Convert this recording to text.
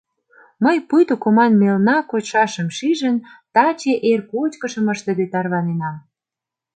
Мый, пуйто коман мелна кочшашым шижын, таче эр кочкышым ыштыде тарваненам.